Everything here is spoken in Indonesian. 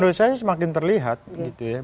menurut saya semakin terlihat gitu ya